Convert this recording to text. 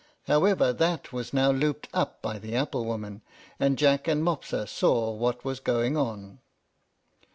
However, that was now looped up by the apple woman, and Jack and Mopsa saw what was going on.